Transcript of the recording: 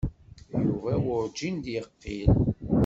Yuba werǧin d-yeqqil.